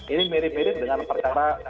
ini mirip mirip dengan perkara